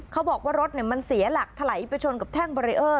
เขาบอกว่ารถมันเสียหลักถลายไปชนกับแท่งบารีเออร์